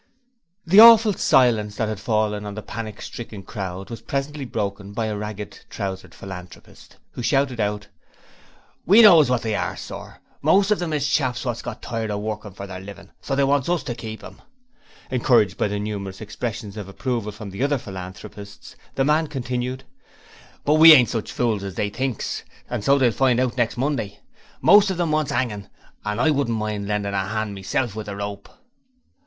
The awful silence that had fallen on the panic stricken crowd, was presently broken by a ragged trousered Philanthropist, who shouted out: 'We knows wot they are, sir. Most of 'em is chaps wot's got tired of workin' for their livin', so they wants us to keep 'em.' Encouraged by numerous expressions of approval from the other Philanthropists, the man continued: 'But we ain't such fools as they thinks, and so they'll find out next Monday. Most of 'em wants 'angin', and I wouldn't mind lendin' a 'and with the rope myself.'